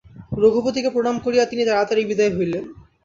রঘুপতিকে প্রণাম করিয়া তিনি তাড়াতাড়ি বিদায় হইলেন।